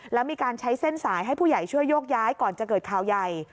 แล้วมีการใช้เส้นสายให้ผู้ใหญ่ช่วยโยกย้ายก่อนจะเกิดข่าวใหญ่